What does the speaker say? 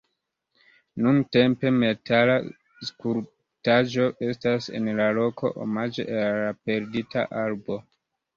Nuntempe metala skulptaĵo estas en la loko omaĝe al la perdita arbo..